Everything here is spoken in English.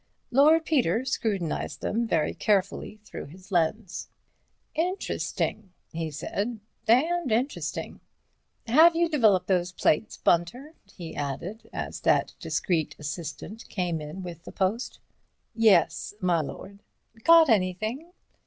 Lord Peter scrutinized them very carefully through his lens. "Interesting," he said, "damned interesting. Have you developed those plates, Bunter?" he added, as that discreet assistant came in with the post. "Yes, my lord." "Caught anything?"